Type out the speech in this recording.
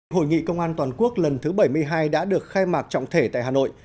hội nghị công an toàn quốc lần thứ bảy mươi hai đã được khai mạc trọng thể tại hà nội